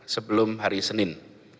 sebelum hari senin